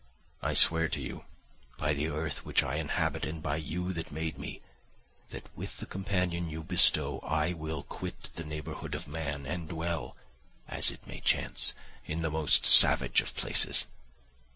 I swear to you, by the earth which I inhabit, and by you that made me, that with the companion you bestow, I will quit the neighbourhood of man and dwell, as it may chance, in the most savage of places.